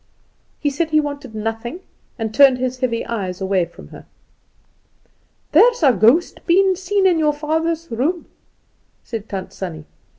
He said he wanted nothing, and turned his heavy eyes away from her. "There's a ghost been seen in your father's room," said Tant Sannie.